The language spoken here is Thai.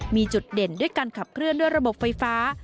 มีจุดเด่นด้วยการขับเคลื่อนด้วยระบบไฟฟ้า